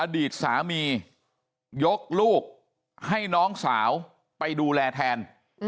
อดีตสามียกลูกให้น้องสาวไปดูแลแทน